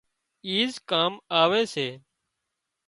ايز ڪام آوي سي